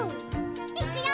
いくよ！